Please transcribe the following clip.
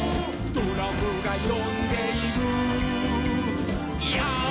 「ドラムがよんでいるヨー！」